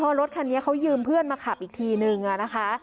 พอรถคันนี้เขายืมเพื่อนมาขับอีกทีนึงอะนะคะ